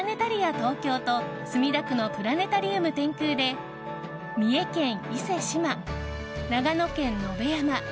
ＴＯＫＹＯと墨田区のプラネタリウム天空で三重県伊勢志摩、長野県野辺山